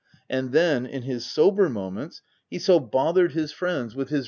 — And then, in his sober moments, he so bothered his friends with his VOL.